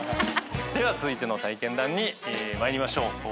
では続いての体験談に参りましょう。